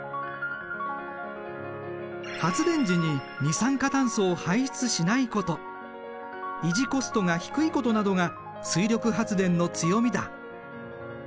発電時に二酸化炭素を排出しないこと維持コストが低いことなどが水力発電の強みだ。